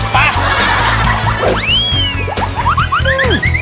ไป